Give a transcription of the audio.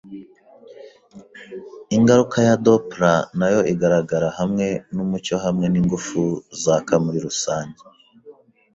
Ingaruka ya Doppler nayo igaragara hamwe numucyo hamwe ningufu zaka muri rusange.